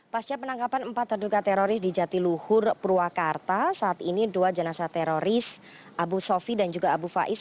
pasca penangkapan empat terduga teroris di jatiluhur purwakarta saat ini dua jenazah teroris abu sofi dan juga abu faiz